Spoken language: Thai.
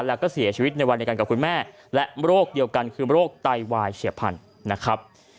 แล้วก็เสียชีวิตในวันเดียวกันกับคุณแม่และโรคเดียวกันคือโรคไตวายเฉียบพันธุ์นะครับ